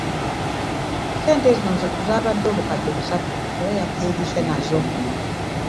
Ssente zino bwabadde obukadde busatu beddu era yakuuliise nazo.